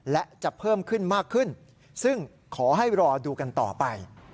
และจะเพิ่มขึ้นมากขึ้นซึ่งขอให้รอดูกันต่อไป